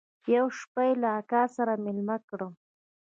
يوه شپه يې له اکا سره ميلمه کړم.